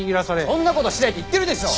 そんな事してないって言ってるでしょう！